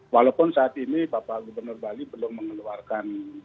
walaupun saat ini bapak gubernur bali belum mengeluarkan